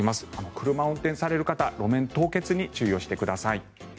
車を運転される方路面凍結に注意してください。